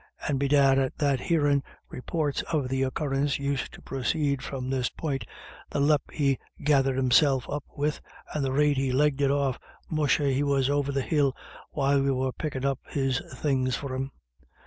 "And bedad at that hearin'," reports of the occurrence used to proceed from this point, " the lep he gathered himself up with, and the rate he legged it off — musha, he was over the hill while COMING AND GOING. 313 we were pickin' up his things for him.